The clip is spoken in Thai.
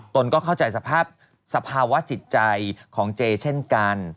ตนก็เข้าใจสภาพสภาวะจิตใจของเจเช่นกัน